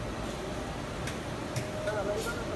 بايد د مړيني خبر ئې دباندي ونه وزي